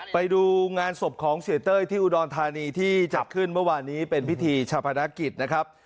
ไปดูงานศพของเสียเต้ยที่อุดรธานีที่จัดขึ้นเมื่อวานนี้เป็นพิธีชาพนักกิจนะครับ